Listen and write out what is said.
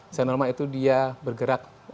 sel normal itu dia bergerak